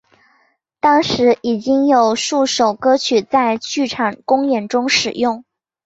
当时已经有数首歌曲在剧场公演中使用。